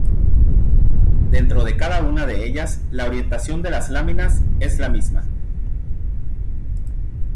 Dentro de cada una de ellas la orientación de las laminas es la misma.